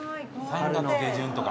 ３月下旬とか。